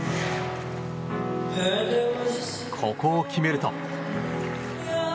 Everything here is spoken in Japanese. ここを決めると。